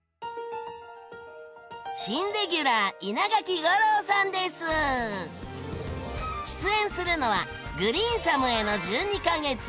新レギュラー出演するのは「グリーンサムへの１２か月」。